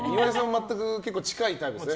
全く近いタイプですね。